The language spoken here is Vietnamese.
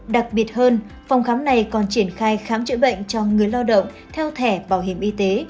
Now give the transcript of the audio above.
đặc biệt hơn phòng khám này còn triển khai khám chữa bệnh cho người lao động theo thẻ bảo hiểm y tế